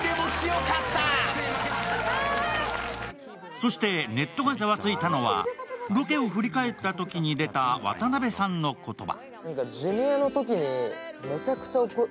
そしてネットがざわついたのはロケを振り返ったときに出た渡辺さんの言葉。